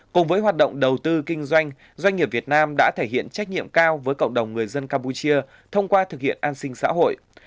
cùng với hoạt động đầu tư kinh doanh doanh nghiệp việt nam đã thể hiện trách nhiệm cao với cộng đồng người dân campuchia thông qua thực hiện an sinh xã hội